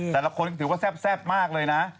แต่ละคนก็ถือว่าแซ่บมากเลยนะ